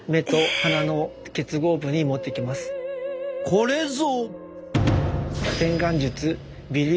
これぞ！